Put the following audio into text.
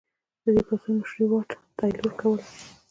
د دې پاڅون مشري واټ تایلور کوله.